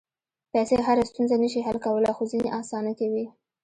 پېسې هره ستونزه نه شي حل کولی، خو ځینې اسانه کوي.